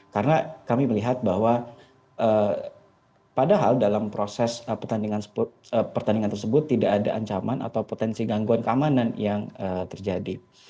karena kami melihat bahwa padahal dalam proses pertandingan tersebut tidak ada ancaman atau potensi gangguan keamanan yang terjadi